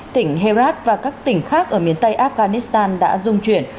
tỉnh herat và các tỉnh khác ở miền tây afghanistan đã dung chuyển